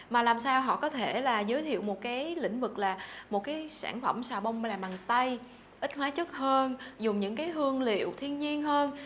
mà làm sao họ có thể là giới thiệu một cái lĩnh vực là một cái sản phẩm sà bông làm bằng tay ít hóa chất hơn dùng những cái hương liệu thiên nhiên hơn